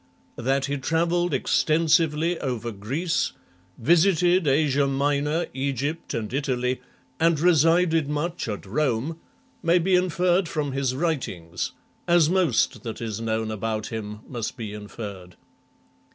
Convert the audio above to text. That he travelled extensively over Greece, visited Asia Minor, Egypt, and Italy, and resided much at Rome, may be inferred from his writings, as most that is known about him must be inferred.